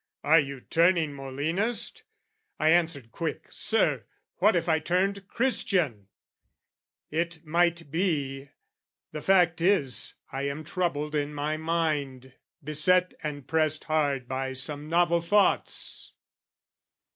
"Are you turning Molinist?" I answered quick "Sir, what if I turned Christian? It might be, "The fact is, I am troubled in my mind, "Beset and pressed hard by some novel thoughts.